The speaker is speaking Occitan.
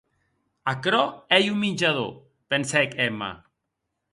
Aquerò ei un minjador!, pensèc Emma.